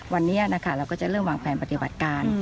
วันนี้นะคะเราก็จะเริ่มวางแผนปฏิบัติการ